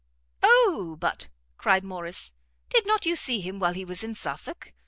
"O, but," cried Morrice, "did not you see him while he was in Suffolk?